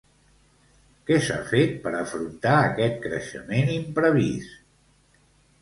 Què s'ha fet per afrontar aquest creixement imprevist?